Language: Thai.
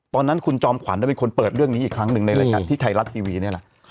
ตอนนั้นคุณจอมขวัญเป็นคนเปิดเรื่องนี้อีกครั้งหนึ่งในรายการที่ไทยรัฐทีวีนี่แหละ